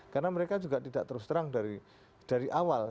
karena mereka juga tidak terus terang dari awal